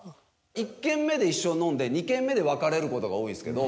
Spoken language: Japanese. １軒目で一緒に飲んで２軒目で分かれることが多いんですけど